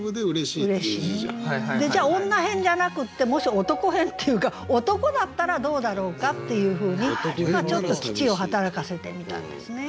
じゃあ女偏じゃなくってもし男偏っていうか「男」だったらどうだろうかっていうふうにちょっと機知を働かせてみたんですね。